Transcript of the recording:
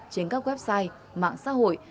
trên các website mạng xã hội